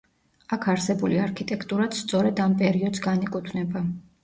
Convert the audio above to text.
აქ არსებული არქიტექტურაც სწორედ ამ პერიოდს განეკუთვნება.